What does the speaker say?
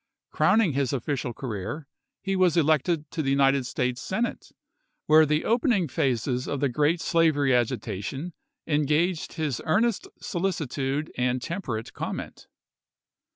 Crowning his official career, he was elected to the United States Senate, where the opening phases of the great slavery agitation engaged his earnest solicitude and temperate comment.